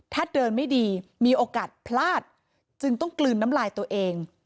ถ้าเดินไม่ดีมีโอกาสพลาดจึงต้องกลืนน้ำลายตัวเอง